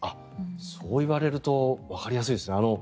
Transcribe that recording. そう言われるとわかりやすいですね。